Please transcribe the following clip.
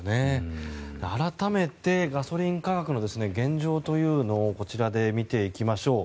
改めてガソリン価格の現状というのをこちらで見ていきましょう。